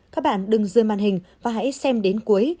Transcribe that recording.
các bạn đừng rơi màn hình và hãy xem đến cuối